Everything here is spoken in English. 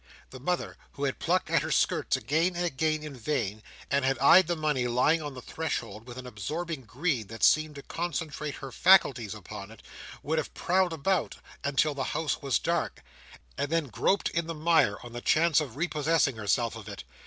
The mother, who had plucked at her skirts again and again in vain, and had eyed the money lying on the threshold with an absorbing greed that seemed to concentrate her faculties upon it, would have prowled about, until the house was dark, and then groped in the mire on the chance of repossessing herself of it.